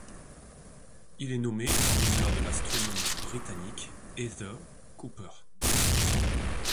Il est nommé en l'honneur de l'astronome britannique Heather Couper.